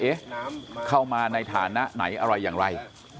เข้ามาในฐานะไหนอะไรอย่างไร